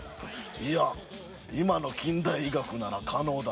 いや今の近代医学なら可能だ。